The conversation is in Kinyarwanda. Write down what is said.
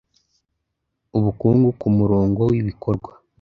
ubukungu ku murongo w ibikorwa